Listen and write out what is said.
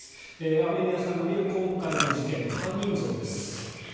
雨宮さんが見る今回の事件の犯人像です。